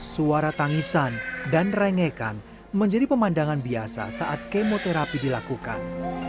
suara tangisan dan rengekan menjadi pemandangan biasa saat kemoterapi dilakukan